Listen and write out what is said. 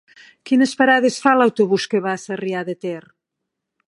Quines parades fa l'autobús que va a Sarrià de Ter?